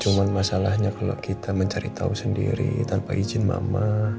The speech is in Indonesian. cuma masalahnya kalau kita mencari tahu sendiri tanpa izin mama